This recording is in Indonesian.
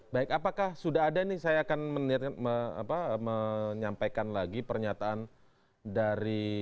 baik apakah sudah ada ini saya akan menyampaikan lagi pernyataan dari